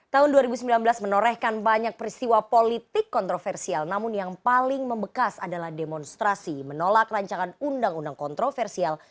tahun dua ribu sembilan belas menorehkan banyak peristiwa politik kontroversial namun yang paling membekas adalah demonstrasi menolak rancangan undang undang kontroversial